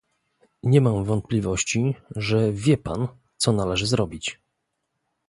Nie mam wątpliwości, że wie Pan, co należy zrobić